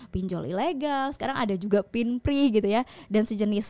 pinjol ilegal sekarang ada juga pin pri gitu ya dan sejenisnya gitu ya